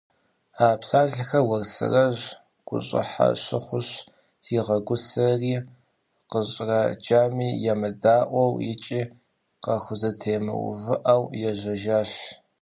А псалъэхэр Уэрсэрыжь гущӀыхьэ щыхъущ, зигъэгусэри, къыщӀраджами емыдаӀуэу икӀи къахузэтемыувыӀэу, ежьэжащ.